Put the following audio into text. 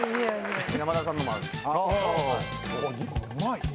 うまいね。